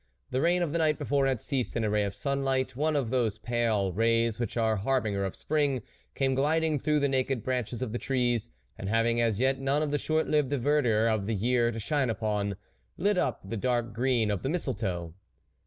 The rain of the night before had ceased, and a ray of sunlight, one of those pale rays which are a harbinger of spring, came gliding through the naked branches of the trees, and hav ing as yet none of the short lived verdure of the year to shine upon, lit up the dark green of the mistletoe.